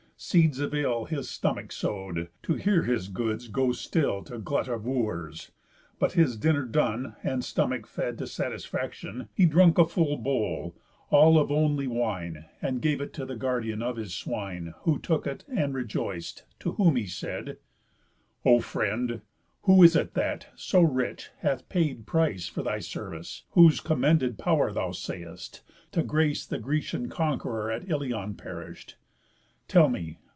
Seeds of ill His stomach sow'd, to hear his goods go still To glut of Wooers. But his dinner done, And stomach fed to satisfactión, He drunk a full bowl, all of only wine, And gave it to the guardian of his swine, Who took it, and rejoic'd; to whom he said: "O friend, who is it that, so rich, hath paid Price for thy service, whose commended pow'r, Thou sayst, to grace the Grecian conquerour, At Ilion perish'd? Tell me.